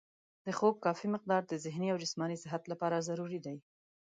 د خوب کافي مقدار د ذهني او جسماني صحت لپاره ضروري دی.